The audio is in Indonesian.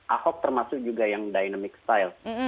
ahok termasuk juga yang dynamic style